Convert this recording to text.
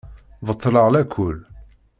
Beṭleɣ lakul.